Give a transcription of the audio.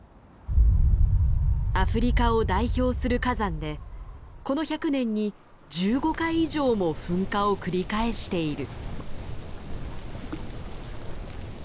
アフリカを代表する火山でこの１００年に１５回以上も噴火を繰り返している。